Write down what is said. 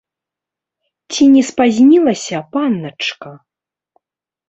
Ці не спазнілася, панначка?